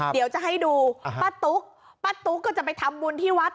เดี๋ยวจะให้ดูป้าตุ๊กป้าตุ๊กก็จะไปทำบุญที่วัด